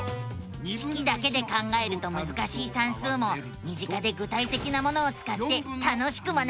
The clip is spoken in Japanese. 式だけで考えるとむずかしい算数も身近で具体的なものをつかって楽しく学べるのさ！